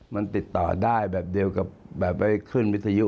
มันติดต่อได้แบบเดียวกับเวลาวิทยุ